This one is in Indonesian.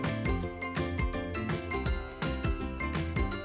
tidak ada yang tidak bisa ditemukan